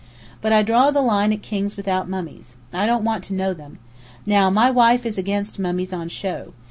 But I draw the line at kings without mummies. I don't want to know them. Now, my wife is against mummies on show.